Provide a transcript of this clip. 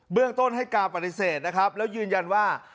เรื่องต้นให้การปฏิเสธนะครับแล้วยืนยันว่า